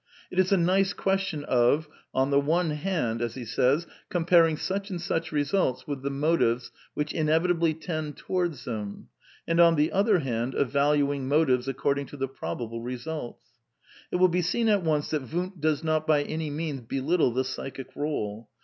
It is a nice question of ^'on the one hand comparing such and such results with the motiyes which inevitably tend towards them (welche die Bich tung auf jene enthalten), and on the other hand, of valuing motives according to the probable results." {Ibid,) It will be seen at once that Wundt does not by any means belittle the Psychic role.